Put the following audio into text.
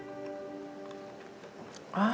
あ！